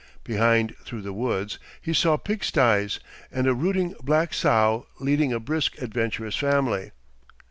Behind, through the woods, he saw pig stys and a rooting black sow leading a brisk, adventurous family.